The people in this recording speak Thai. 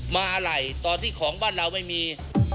อะไรตอนที่ของบ้านเราไม่มี